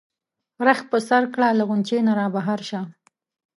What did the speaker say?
رخت په سر کړه له غُنچې نه را بهر شه.